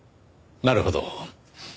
なるほど。